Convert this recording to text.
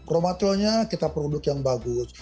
raw materialnya kita produk yang bagus